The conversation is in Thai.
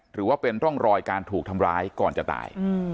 หรือว่าเป็นร่องรอยการถูกทำร้ายก่อนจะตาย